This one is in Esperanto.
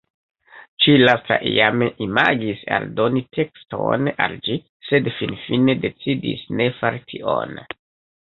Ĉi-lasta iame imagis aldoni tekston al ĝi, sed finfine decidis ne fari tion.